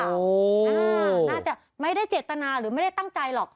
น่าจะไม่ได้เจตนาหรือไม่ได้ตั้งใจหรอก